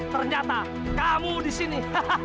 ternyata kamu di sini